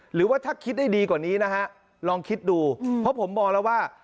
หรือว่าถ้าคิดได้ดีกว่านี้นะฮะลองคิดดูเพราะผมมองแล้วว่า